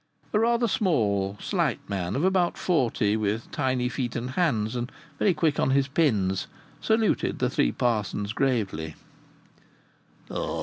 A rather small, slight man of about forty, with tiny feet and hands, and "very quick on his pins," saluted the three parsons gravely.